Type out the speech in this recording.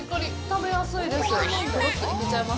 食べやすいです。